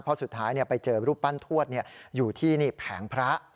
เพราะสุดท้ายไปเจอรูปปั้นทวดอยู่ที่แผงพระ